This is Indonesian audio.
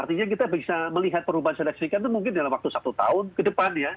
artinya kita bisa melihat perubahan sedekat sedekat mungkin dalam waktu satu tahun ke depannya